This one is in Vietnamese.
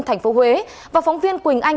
thành phố huế và phóng viên quỳnh anh